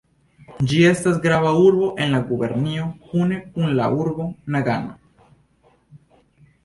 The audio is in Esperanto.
Ĝi estas grava urbo en la gubernio kune kun la urbo Nagano.